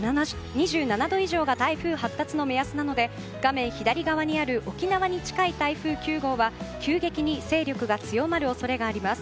２７度以上が台風発達の目安なので画面左側にある沖縄に近い台風９号は急激に勢力が強まる恐れがあります。